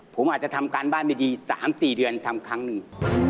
ผมอาจจะทำการบ้านไม่ดี๓๔เดือนทำครั้งหนึ่ง